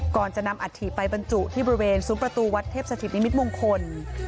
ก่อนจะนำอัฐิไปบรรจุที่บริเวณซุ้มประตูวัดเทพสถิตนิมิตมงคล